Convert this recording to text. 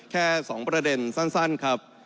แค่๒ประเด็นสั้นครับ